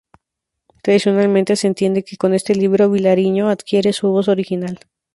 Tradicionalmente se entiende que con este libro, Vilariño adquiere su voz original.